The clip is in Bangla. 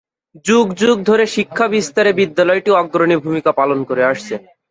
যুগ যুগ ধরে শিক্ষা বিস্তারে বিদ্যালয়টি অগ্রণী ভূমিকা পালন করে আসছে।